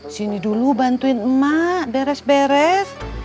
sini dulu bantuin emak beres beres